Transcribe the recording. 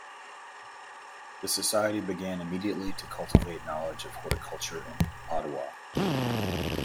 The Society began immediately to cultivate knowledge of horticulture in Ottawa.